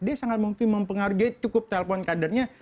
dia sangat mungkin mempengaruhi cukup telpon kadernya